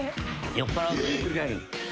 酔っぱらうとひっくり返る。